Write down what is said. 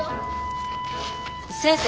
先生。